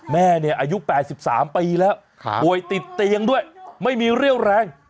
แม่เนี่ยอายุ๘๓ปีแล้วป่วยติดเตียงด้วยไม่มีเรี่ยวแรง